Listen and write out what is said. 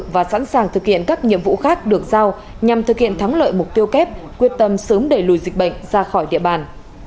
và sẵn sàng thực hiện các nhiệm vụ khác được giao nhằm thực hiện thắng lợi mục tiêu kép quyết tâm sớm đẩy lùi dịch bệnh ra khỏi địa bàn